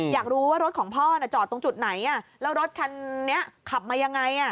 อยากรู้ว่ารถของพ่อจอดตรงจุดไหนแล้วรถคันนี้ขับมายังไง